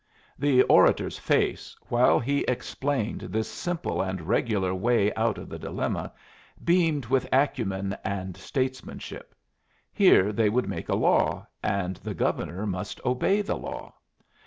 The orator's face, while he explained this simple and regular way out of the dilemma, beamed with acumen and statesmanship. Here they would make a law, and the Governor must obey the law!